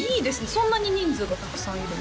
そんなに人数がたくさんいるの？